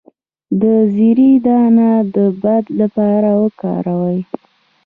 د زیرې دانه د باد لپاره وکاروئ